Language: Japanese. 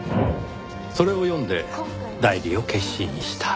それを読んで代理を決心した。